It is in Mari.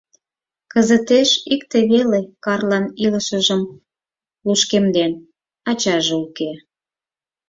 Кызытеш икте веле Карлан илышыжым лушкемден: ача уке.